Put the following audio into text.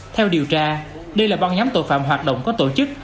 theo điều tra đây là băng nhóm tội phạm hoạt động có tổ chức